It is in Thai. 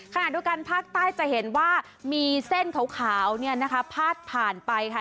ขณะด้วยกันภาคใต้จะเห็นว่ามีเส้นขาวพาดผ่านไปค่ะ